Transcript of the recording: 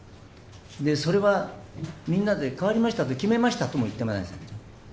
それはみんなで変わりましたと決めましたとも言っていません。